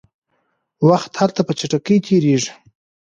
وخت هلته په چټکۍ تیریږي.